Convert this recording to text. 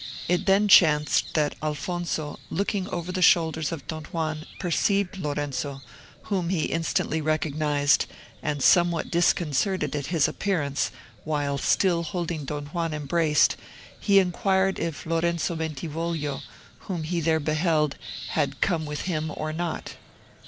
It then chanced that Alfonso, looking over the shoulders of Don Juan, perceived Lorenzo, whom he instantly recognised; and somewhat disconcerted at his appearance, while still holding Don Juan embraced, he inquired if Lorenzo Bentivoglio, whom he there beheld, had come with him or not.